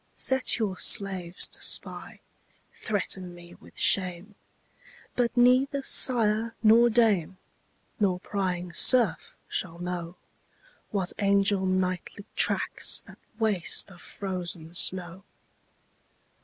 Set your slaves to spy; threaten me with shame: But neither sire nor dame, nor prying serf shall know, What angel nightly tracks that waste of frozen snow.